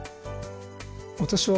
私は